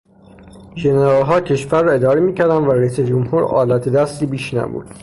ژنرالها کشور را اداره میکردند و رئیس جمهور آلت دستی بیش نبود.